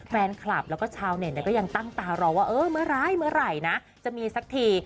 แฟนคลับแล้วก็ชาวเน็ตก็ยังตั้งตารอว่าเออเมื่อร้ายเมื่อไหร่นะจะมีสักที